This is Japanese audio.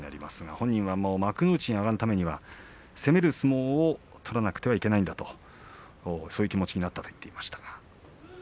本人は幕内に上がるためには攻める相撲を取らなくてはいけないとそういう気持ちになったと話していました。